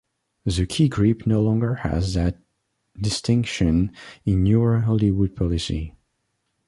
The key grip no longer has that distinction in newer Hollywood policy.